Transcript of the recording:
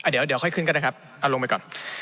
เดี๋ยวค่อยขึ้นก็ได้ครับเอาลงไปก่อน